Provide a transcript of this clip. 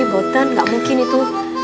boten gak mungkin itu